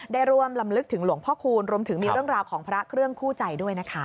ได้ร่วมลำลึกถึงหลวงพ่อคูณรวมถึงมีเรื่องราวของพระเครื่องคู่ใจด้วยนะคะ